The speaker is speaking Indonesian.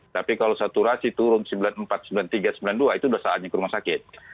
tapi kalau saturasi turun sembilan puluh empat sembilan puluh tiga sembilan puluh dua itu sudah saatnya ke rumah sakit